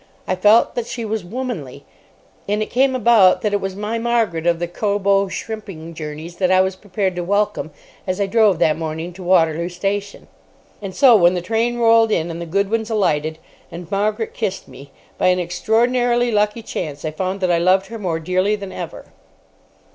I felt that she was womanly. And it came about that it was my Margaret of the Cobo shrimping journeys that I was prepared to welcome as I drove that morning to Waterloo Station. And so, when the train rolled in, and the Goodwins alighted, and Margaret kissed me, by an extraordinarily lucky chance I found that I loved her more dearly than ever.